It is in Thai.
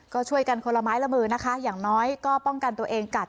ก็ช่วยกันคนละไม้ละมือนะคะอย่างน้อยก็ป้องกันตัวเองกัด